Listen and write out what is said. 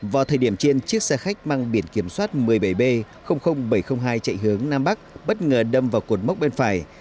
vào thời điểm trên chiếc xe khách mang biển kiểm soát một mươi bảy b bảy trăm linh hai chạy hướng nam bắc bất ngờ đâm vào cột mốc bên phải